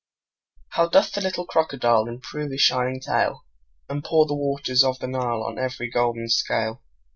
HOW doth the little crocodile Improve his shining tail, And pour the waters of the Nile On every golden scale!